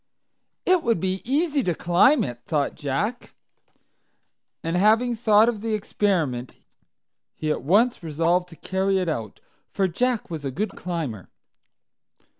"It would be easy to climb it," thought Jack. And, having thought of the experiment, he at once resolved to carry it out, for Jack was a good climber.